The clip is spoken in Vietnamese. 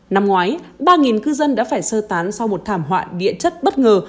năm ngoái ba cư dân đã phải sơ tán sau một thảm họa địa chất bất ngờ